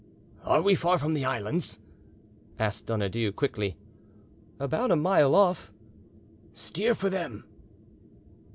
"Are we far from the islands?" asked Donadieu quickly. "About a mile off." "Steer for them."